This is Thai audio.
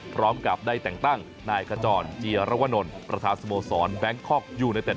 พร้อมกับได้แต่งตั้งนายกระจ่อนเจียระวนนประธาสมสรแบงค์คอคยูนาเต็ด